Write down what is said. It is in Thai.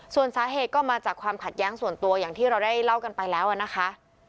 ส่วนสาเหตุก็มาจากความขัดแย้งส่วนตัวอย่างที่เราได้เล่ากันไปแล้วนะคะ